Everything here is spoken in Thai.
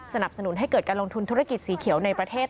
สนับสนุนให้เกิดการลงทุนธุรกิจสีเขียวในประเทศ